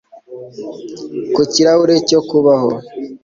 Ku kirahure cyo kubaho